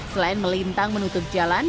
selain melintang menutup jalan